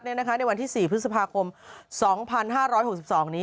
ในวันที่๔พฤษภาคม๒๕๖๒นี้